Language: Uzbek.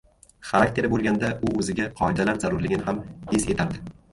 Xarakteri bo‘lganda u o‘ziga qoidalar zarurligini ham his etardi.